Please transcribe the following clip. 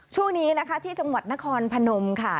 ช่วงนี้นะคะที่จังหวัดนครพนมค่ะ